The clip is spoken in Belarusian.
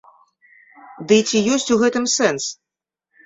Дый ці ёсць у гэтым сэнс?